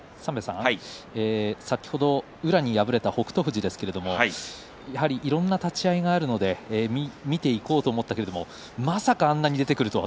先ほど宇良に敗れた北勝富士ですけれどもやはり、いろいろな立ち合いがあるので見ていこうと思ったけれどまさか、あんなに出てくるとは。